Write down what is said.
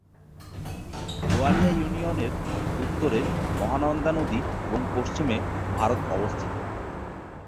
Boalia union এর উত্তরে মহানন্দা নদী এবং পশ্চিমে ভারত অবস্থিত।